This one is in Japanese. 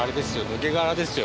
抜け殻ですよ